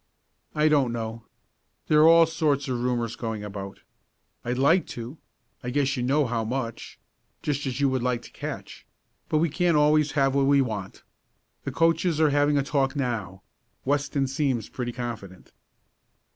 "I don't know. There are all sorts of rumors going about. I'd like to I guess you know how much just as you would like to catch but we can't always have what we want. The coaches are having a talk now. Weston seems pretty confident."